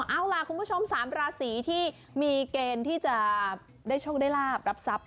เอาล่ะคุณผู้ชม๓ราศีที่มีเกณฑ์ที่จะได้โชคได้ลาบรับทรัพย